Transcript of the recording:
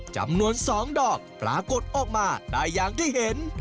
จำนวน๒ดอกปรากฏออกมาได้อย่างที่เห็น